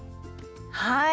はい。